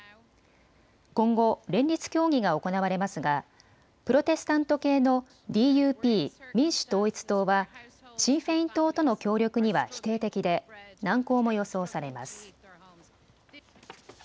今後、連立協議が行われますがプロテスタント系のＤＵＰ・民主統一党はシン・フェイン党との協力には否定的で難航も予想されます。